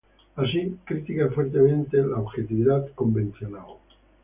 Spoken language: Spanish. Así, critica fuertemente la objetividad convencional.